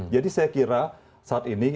jadi saya kira saat ini